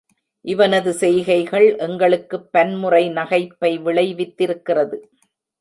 இவனது செய்கைகள் எங்களுக்குப் பன்முறை நகைப்பை விளைவித்திருக்கிறது.